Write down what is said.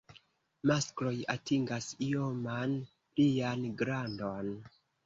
Maskloj atingas ioman plian grandon.